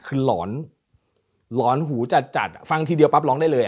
คือหลอนหลอนหูจัดฟังทีเดียวปั๊บร้องได้เลย